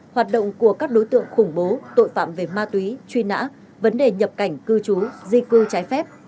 hoạt động của các đối tượng khủng bố tội phạm về ma túy truy nã vấn đề nhập cảnh cư trú di cư trái phép